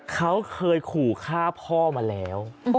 เขาเคยขู่ฆ่าพ่อมาแล้ว